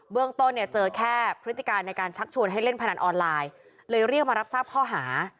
เรื่องต้นเนี่ยเจอแค่พฤติการในการชักชวนให้เล่นพนันออนไลน์เลยเรียกมารับทราบข้อหา